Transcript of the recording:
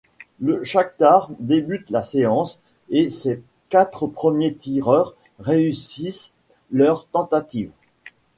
Le Chakhtar débute la séance et ses quatre premiers tireurs réussissent leurs tentatives.